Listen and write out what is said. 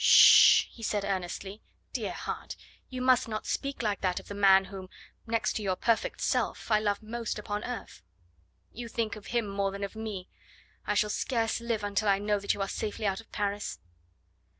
"Sh sh sh!" he said earnestly. "Dear heart, you must not speak like that of the man whom, next to your perfect self, I love most upon earth." "You think of him more than of me. I shall scarce live until I know that you are safely out of Paris."